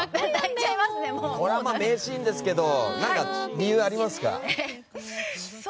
これは名シーンですけど理由はありますか？